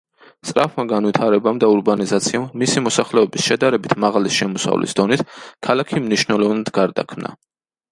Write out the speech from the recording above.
სწრაფმა განვითარებამ და ურბანიზაციამ, მისი მოსახლეობის შედარებით მაღალი შემოსავლის დონით, ქალაქი მნიშვნელოვნად გარდაქმნა.